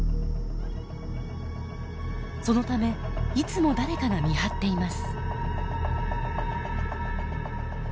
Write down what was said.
そのためいつも誰かが見張っています。